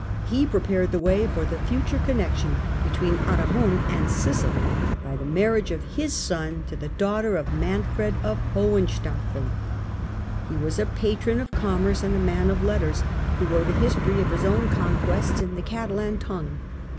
He prepared the way for the future connexion between Aragon and Sicily by the marriage of his son to the daughter of Manfred of Hohenstaufen. He was a patron of commerce and a man of letters, who wrote a history of his own conquests in the Catalan tongue.